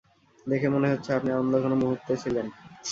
দেখে মনে হচ্ছে, আপনি আনন্দঘন মুহূর্তে ছিলেন।